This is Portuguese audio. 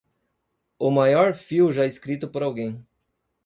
O maior fio já escrito por alguém.